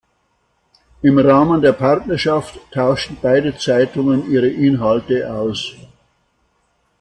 Im Rahmen der Partnerschaft tauschten beide Zeitungen ihre Inhalte aus.